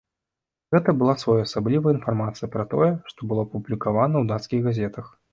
Гэта была своеасаблівая інфармацыя пра тое, што было апублікавана ў дацкіх газетах.